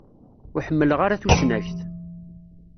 Ur ḥemmleɣ ara tusnakt.